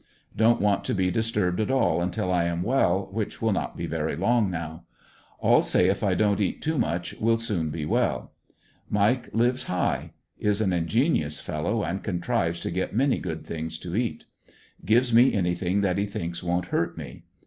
Don't want to be disturbed at all until I am well, which will not be very long now. All say if X don't eat too much will soon be well. Mike lives high. Is an ingenious fellow and contrives to get many good things to eat. Gives me anything that he thinks won't hurt me.